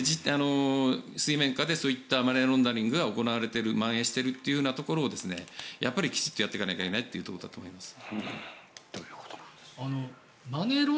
水面下でそういったマネーロンダリングが行われているまん延しているというところをきちんとやっていかないといけないということだと思います。